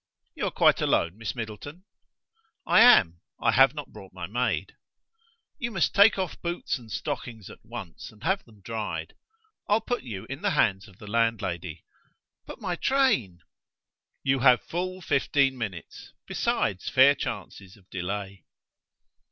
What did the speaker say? "You are quite alone, Miss Middleton?" "I am: I have not brought my maid." "You must take off boots and stockings at once, and have them dried. I'll put you in the hands of the landlady." "But my train!" "You have full fifteen minutes, besides fair chances of delay."